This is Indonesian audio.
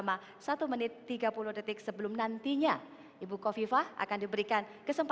kami punya road map